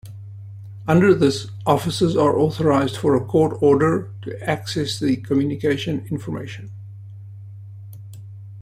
Under this, officers are authorized for a court order to access the communication information.